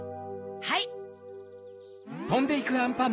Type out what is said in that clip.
はい！